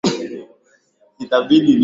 Idadi ya makabila mengi Sikia hii